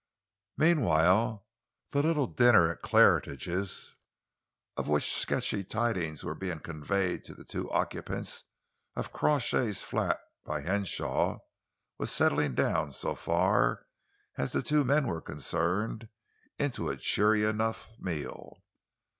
Meanwhile, the little dinner at Claridge's, of which sketchy tidings were being conveyed to the two occupants of Crawshay's flat by Henshaw, was settling down, so far as the two men were concerned, into a cheery enough meal.